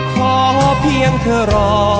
ขอเพียงเธอรอ